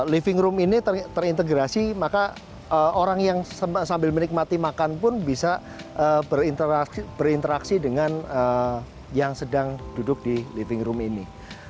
living room ini terintegrasi maka orang yang sambil menikmati makan pun bisa berinteraksi dengan yang sedang duduk di living room ini